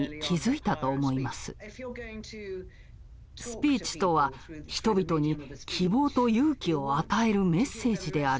スピーチとは人々に希望と勇気を与えるメッセージである。